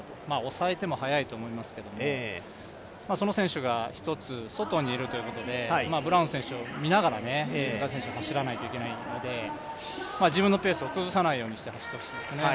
抑えても速いと思いますけども、その選手が１つ外にいるということでブラウン選手を見ながら飯塚選手は走らないといけないので、自分のペースを崩さないようにしてほしいと思いますね。